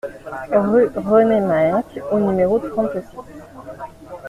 Rue René Mahinc au numéro trente-six